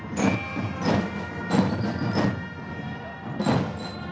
dan pengundang tni peculiar empat taruna aqu indeed